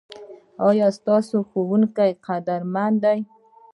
ایا ستاسو ښوونکي قدرمن دي؟